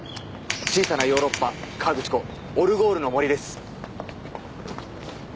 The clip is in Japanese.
小さなヨーロッパ河口湖オルゴールの森です！